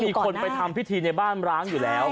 มันเหมือนมีคนไปทำพิธีในบ้านร้างอยู่แล้ว